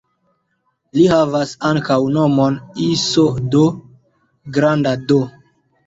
Li havas ankaŭ nomon "Iso D" (granda D).